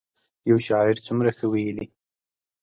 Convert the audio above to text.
یو شاعر څومره ښه ویلي.